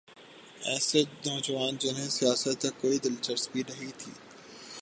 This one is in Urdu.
ایسے نوجوان جنہیں سیاست سے کوئی دلچسپی نہیں تھی۔